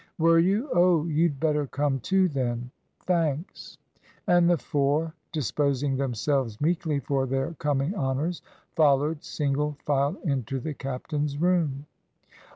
"Were you? Oh, you'd better come too, then." "Thanks." And the four, disposing themselves meekly for their coming honours, followed, single file, into the captain's room.